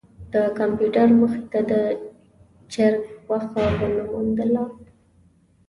د کمپیوټر مخې ته د چرک غوښه ونه موندله.